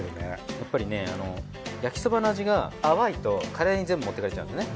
やっぱりね焼きそばの味が淡いとカレーに全部もっていかれちゃうんですね。